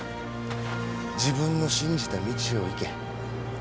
自分の信じた道を行け。